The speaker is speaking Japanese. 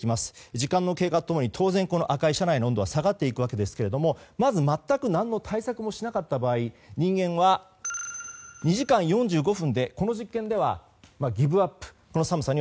時間の経過と共に当然、赤い車内の温度は下がっていくわけですけれどもまず、全く何の対策もしなかった場合人間は２時間４５分でこの実験ではギブアップ。